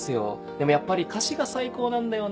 でもやっぱり歌詞が最高なんだよな。